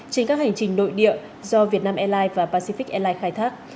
trên các hành trình nội địa do việt nam airlines và pacific airlines khai thác